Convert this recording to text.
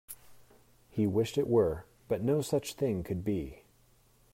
He wished it were, but no such thing could be.